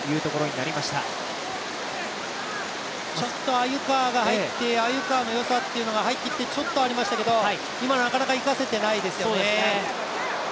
鮎川が入って、鮎川の良さがちょっとありましたけど、今、なかなか生かせていないですよね。